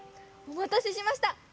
おまたせしました。